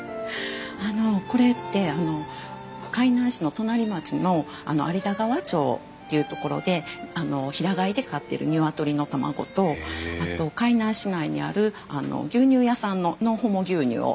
あのこれって海南市の隣町の有田川町っていう所で平飼いで飼ってる鶏の卵とあと海南市内にある牛乳屋さんのノンホモ牛乳を使って作っているんです。